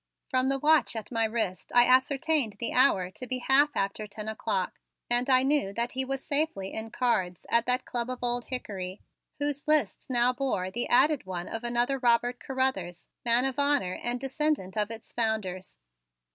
From the watch at my wrist I ascertained the hour to be half after ten o'clock, and I knew that he was safely in cards at that Club of Old Hickory, whose lists now bore the added one of another Robert Carruthers, man of honor and descendant of its founders.